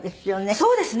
そうですね。